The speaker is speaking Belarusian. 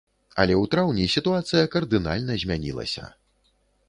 Але ў траўні сітуацыя кардынальна змянілася.